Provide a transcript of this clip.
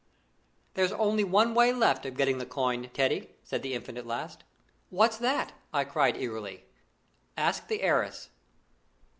"There's only one way left of getting the coin, Teddy," said the Infant at last. "What's that?" I cried eagerly. "Ask the heiress."